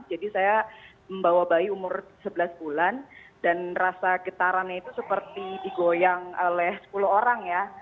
jadi saya membawa bayi umur sebelas bulan dan rasa getaran itu seperti digoyang oleh sepuluh orang ya